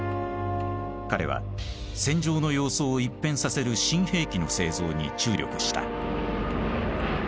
彼は戦場の様相を一変させる新兵器の製造に注力した。